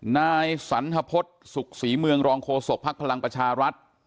นายสันทพฤษสุขศรีเมืองรองโฆษกภักดิ์พลังประชารัฐ